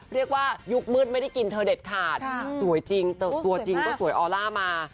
ยุคมืดไม่ได้กินเธอเด็ดขาดสวยจริงตัวจริงก็สวยออร่ามา